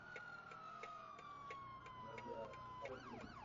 Mwani ulianza kupotea ilipofika mwaka elfu mbili na kumi